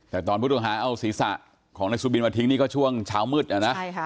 แต่ตอนพวกเราหาเอาศีรษะของนักศูบีนมาทิ้งนี่ก็ช่วงเช้ามืดนะฮะ